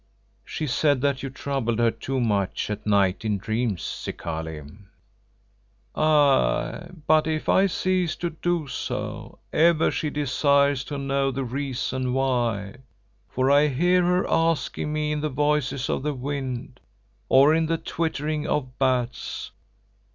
"She said that you troubled her too much at night in dreams, Zikali." "Aye, but if I cease to do so, ever she desires to know the reason why, for I hear her asking me in the voices of the wind, or in the twittering of bats.